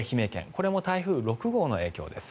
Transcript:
これも台風６号の影響です。